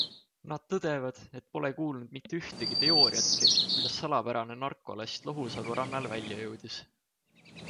Nad tõdevad, et pole kuulnud mitte ühtegi teooriatki, kuidas salapärane narkolast Lohusalu rannale välja jõudis.